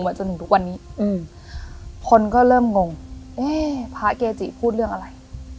จนถึงทุกวันนี้อืมคนก็เริ่มงงเอ๊ะพระเกจิพูดเรื่องอะไร